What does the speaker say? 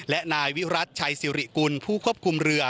และนายวิรัติชัยสิริกุลผู้ควบคุมเรือ